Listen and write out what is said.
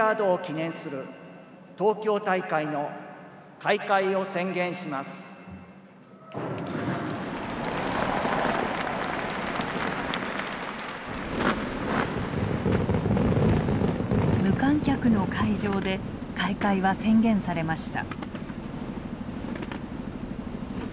私はここに無観客の会場で開会は宣言されました。